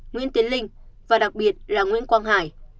nguyễn tiến linh và đặc biệt là nguyễn quang hải